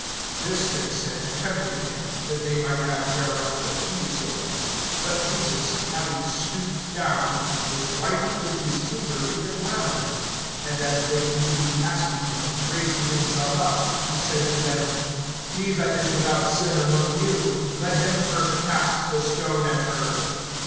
(6)This they said, tempting him, that they might have whereof to accuse him. But Jesus, having stooped down, was writing with his finger in the ground. (7)And as they continued asking him, raising himself up, he said to them: He that is without sin among you, let him first cast the stone at her.